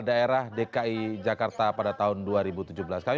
daerah dki jakarta pada tahun dua ribu tujuh belas